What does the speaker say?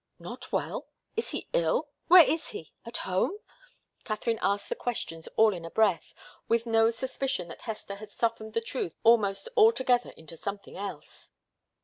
"Not well? Is he ill? Where is he? At home?" Katharine asked the questions all in a breath, with no suspicion that Hester had softened the truth almost altogether into something else.